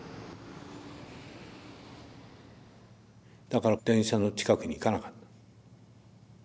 だから電車の近くに行かなかった。